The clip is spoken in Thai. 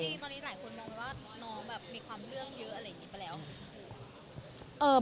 จริงตอนนี้หลายคนมองว่าน้องแบบมีความเรื่องเยอะอะไรอย่างนี้ไปแล้ว